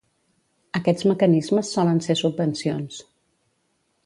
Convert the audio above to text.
Aquests mecanismes solen ser subvencions.